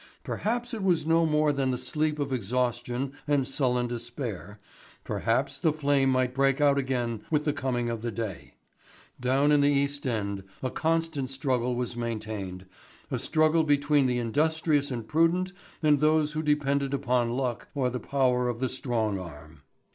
Perhaps it was no more than the sleep of exhaustion and sullen despair, perhaps the flame might break out again with the coming of the day. Down in the East End a constant struggle was maintained, a struggle between the industrious and prudent and those who depended upon luck or the power of the strong arm.